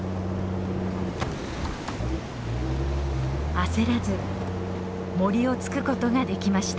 焦らずモリを突くことができました。